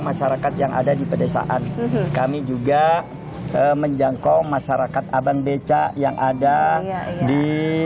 masyarakat yang ada di pedesaan kami juga menjangkau masyarakat aban beca yang ada di